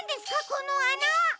このあな！